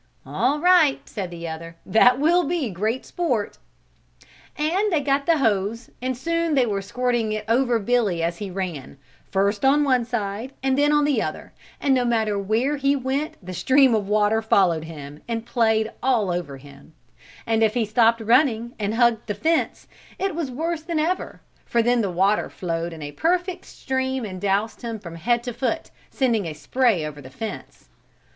"All right," said the other, "that will be great sport." And they got the hose and soon they were squirting it over Billy as he ran, first on one side and then on the other, and no matter where he went the stream of water followed him and played all over him, and if he stopped running and hugged the fence it was worse than ever for then the water flowed in a perfect stream and doused him from head to foot, sending a spray over the fence. [Illustration: THIS CALLED FORTH A SHOUT OF GLEE FROM THE POLICEMEN WHO WERE LOOKING OVER THE FENCE.